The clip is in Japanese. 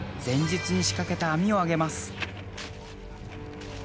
前日に仕掛けた網をあげます